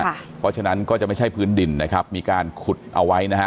เพราะฉะนั้นก็จะไม่ใช่พื้นดินนะครับมีการขุดเอาไว้นะฮะ